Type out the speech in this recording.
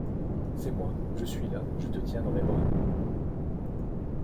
C’est moi! je suis là, je te tiens dans mes bras.